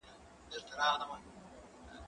ايا ته سبزیجات وچوې؟